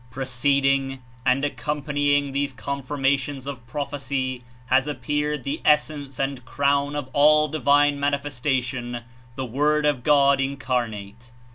Preceding and accompanying these confirmations 46 of prophecy has appeared the Essence and Crown of all divine manifestation, the Word of God Incarnate.